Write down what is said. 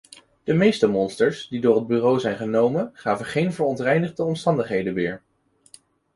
De meeste monsters die door het bureau zijn genomen gaven geen verontreinigde omstandigheden weer.